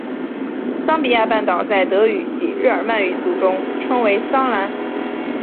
桑比亚半岛在德语及日耳曼语族中称为桑兰。